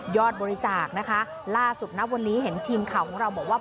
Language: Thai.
บริจาคนะคะล่าสุดนะวันนี้เห็นทีมข่าวของเราบอกว่า